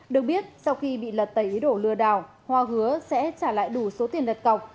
được biết sau khi bị lật tẩy ý đồ lừa đảo hoa hứa sẽ trả lại đủ số tiền đặt cọc